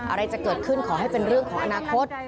อะไรจะเกิดขึ้นขอให้เป็นเรื่องของอนาคต